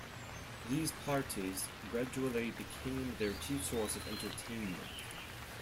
These parties gradually became their chief source of entertainment.